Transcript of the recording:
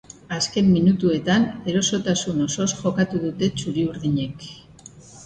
Azken minutuetan erosotasun osoz jokatu dute txuri-urdinek.